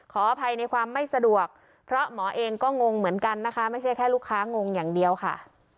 ขออภัยในความไม่สะดวกเพราะหมอเองก็งงเหมือนกันนะคะไม่ใช่แค่ลูกค้างงอย่างเดียวค่ะ